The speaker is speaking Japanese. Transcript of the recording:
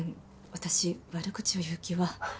私悪口を言う気は。